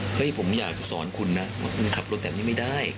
เฮ้ยผมอยากสอนคุณนะว่าคุณขับรถแบบนี้ไม่ได้